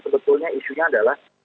sebetulnya isunya adalah